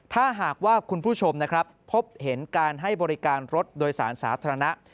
ถ้าหากว่าคุณผู้ชมนะครับพบเห็นการให้บริการรถโดยสารสาธารณะ